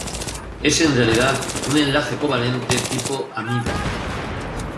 Es, en realidad, un enlace covalente tipo amida.